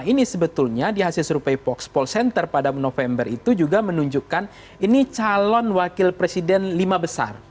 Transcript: ini sebetulnya di hasil survei voxpol center pada november itu juga menunjukkan ini calon wakil presiden lima besar